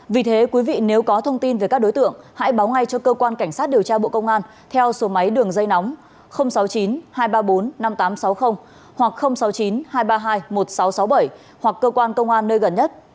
vì thế quý vị nếu có thông tin về các đối tượng hãy báo ngay cho cơ quan cảnh sát điều tra bộ công an theo số máy đường dây nóng sáu mươi chín hai trăm ba mươi bốn năm nghìn tám trăm sáu mươi hoặc sáu mươi chín hai trăm ba mươi hai một nghìn sáu trăm sáu mươi bảy hoặc cơ quan công an nơi gần nhất